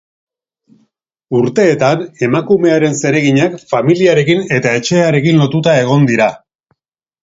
Urteetan emakumearen zereginak familiarekin eta etxearekin lotuta egon dira.